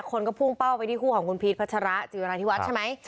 คนก็พุ่งเป้าไปที่คู่ของคุณพีชพัชระจิราธิวัฒน์ใช่ไหม